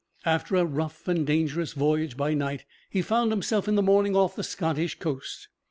After a rough and dangerous voyage by night, he found himself in the morning off the Scottish coast.